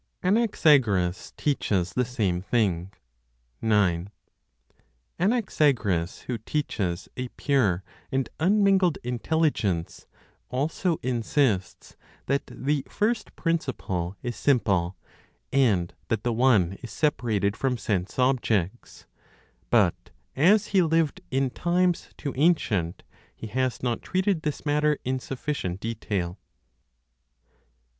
ANAXAGORAS TEACHES THE SAME THING. 9. Anaxagoras, who teaches a pure and unmingled Intelligence also insists that the first Principle is simple, and that the One is separated from sense objects. But, as he lived in times too ancient, he has not treated this matter in sufficient detail.